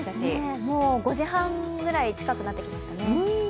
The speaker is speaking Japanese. もう５時半近くになってきましたね。